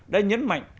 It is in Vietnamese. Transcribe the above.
đã nhấn mạnh